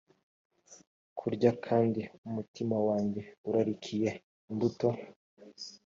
kurya kandi umutima wanjye urarikiye imbuto